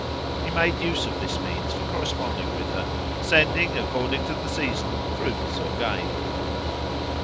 He made use of this means for corresponding with her, sending according to the season fruits or game.